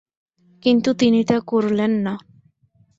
কিন্তু তিনি তা করলেন না।